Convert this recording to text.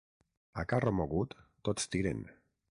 A carro mogut, tots tiren.